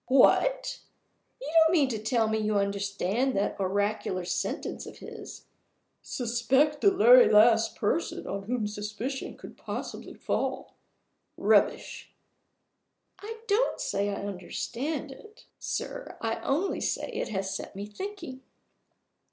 "What! you don't mean to tell me you understand that oracular sentence of his 'Suspect the very last person on whom suspicion could possibly fall.' Rubbish!" "I don't say I understand it, sir. I only say it has set me thinking."